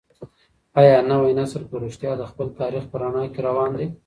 آيا نوی نسل په رښتيا د خپل تاريخ په رڼا کي روان دی؟